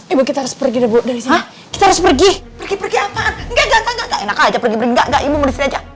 ibu mau disini aja